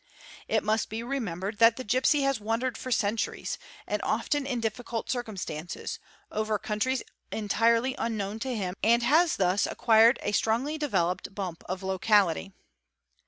must be remembered that the gipsy has: wandered for centuries, often in difficult circumstances, over countries entirely unknown to h and has thus acquired a strongly developed bump of locality.